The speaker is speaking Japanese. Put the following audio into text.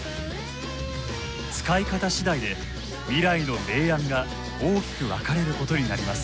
使い方次第で未来の明暗が大きく分かれることになります。